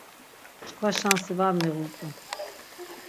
Çkva şansi va miğu rt̆u.